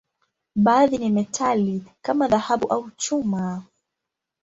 Baadhi ni metali, kama dhahabu au chuma.